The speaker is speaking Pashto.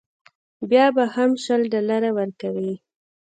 بیا به هم شل ډالره ورکوې.